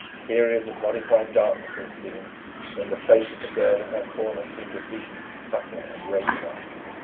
Periods of modified darkness intervened, when the face of the girl in her corner seemed a vision subtle and wraithlike.